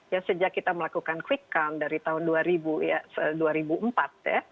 ya sejak kita melakukan quick count dari tahun dua ribu empat ya